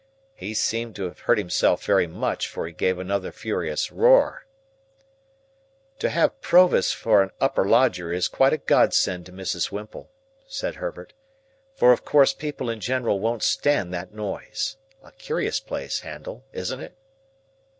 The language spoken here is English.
He seemed to have hurt himself very much, for he gave another furious roar. "To have Provis for an upper lodger is quite a godsend to Mrs. Whimple," said Herbert, "for of course people in general won't stand that noise. A curious place, Handel; isn't it?"